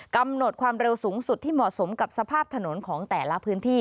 กำหนดความเร็วสูงสุดที่เหมาะสมกับสภาพถนนของแต่ละพื้นที่